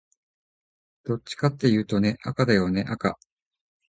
どっちかっていうとね、赤だよね赤